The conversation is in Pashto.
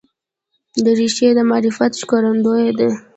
دریشي د معرفت ښکارندوی ده.